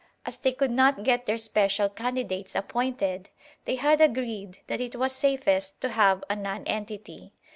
As they could not get their special candidates appointed, they had agreed that it was safest to have a nonentity.